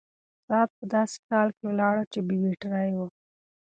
ساعت په داسې حال کې ولاړ و چې بې بيټرۍ و.